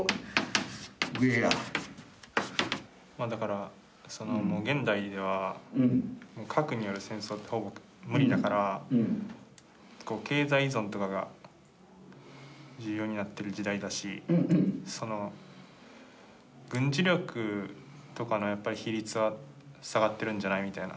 まあだからその現代では経済依存とかが重要になってる時代だしその軍事力とかのやっぱり比率は下がってるんじゃないみたいな。